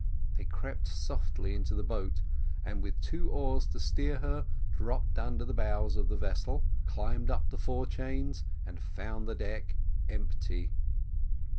They crept softly into the boat, and with two oars to steer her dropped under the bows of the vessel, climbed up the forechains, and found the deck empty.